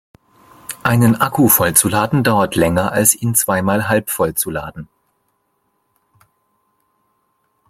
Einen Akku voll zu laden dauert länger als ihn zweimal halbvoll zu laden.